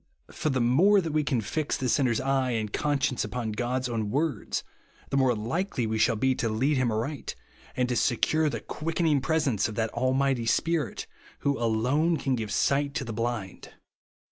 For the more that we can fix the sinner's eye and conscience upon God's own words, the more likely shall we be to lead him aright, and to secure the quicken ing presence of that Almighty Spirit who alone can give sight to the blind.